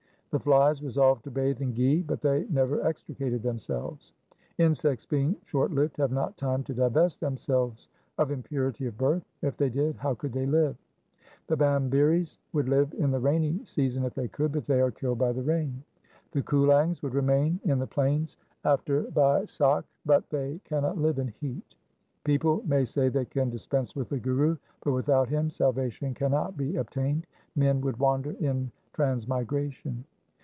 The flies resolved to bathe in ghi, but they never extricated themselves. Insects being short lived have not time to divest themselves of impurity of birth ; if they did, how could they live ? The bhambiris 2 would live in the rainy season if they could, but they are killed by the rain. The kulangs would remain in the plains after Baisakh, but they cannot live in heat. People may say they can dispense with the Guru, but without him salvation cannot be obtained : men would wander in transmigration.